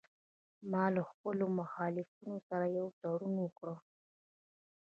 ما له خپلو مخالفینو سره یو تړون وکړ